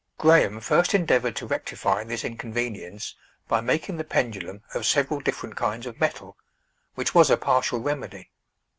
Graham first endeavored to rectify this inconvenience by making the pendulum of several different kinds of metal, which was a partial remedy.